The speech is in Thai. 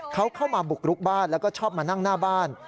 เขาเข้ามาบุกรุกบ้านแล้วก็ชอบมานั่งหน้าบ้าน